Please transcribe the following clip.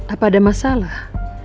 apa ada masalah